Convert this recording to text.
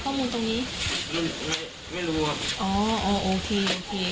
ข้อมูลตรงนี้ไม่รู้ครับอ๋ออ๋อโอเคโอเคค่ะอืม